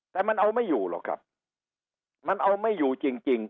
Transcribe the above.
แต่มันเอาไม่อยู่หรอกครับมันเอาไม่อยู่จริง